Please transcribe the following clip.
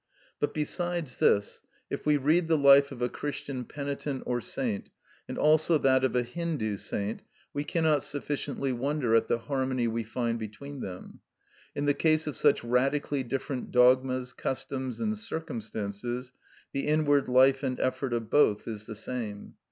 But besides this, if we read the life of a Christian penitent or saint, and also that of a Hindu saint, we cannot sufficiently wonder at the harmony we find between them. In the case of such radically different dogmas, customs, and circumstances, the inward life and effort of both is the same.